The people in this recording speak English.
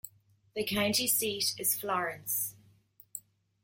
The county seat is Florence.